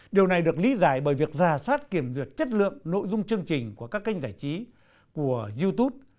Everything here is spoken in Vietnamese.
điều này được lý giải bởi việc rà soát kiểm duyệt chất lượng nội dung chương trình của các kênh giải trí của youtube